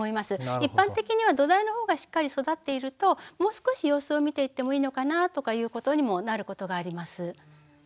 一般的には土台の方がしっかり育っているともう少し様子を見ていってもいいのかなとかということにもなることがあります。